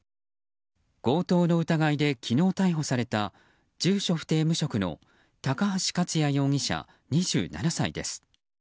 強盗の疑いで昨日、逮捕された住所不定・無職の高橋勝也容疑者、２７歳です。